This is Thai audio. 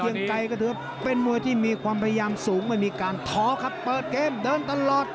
ไกรก็ถือเป็นมวยที่มีความพยายามสูงไม่มีการท้อครับเปิดเกมเดินตลอด